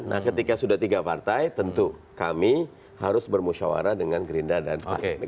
nah ketika sudah tiga partai tentu kami harus bermusyawarah dengan gerindra dan pak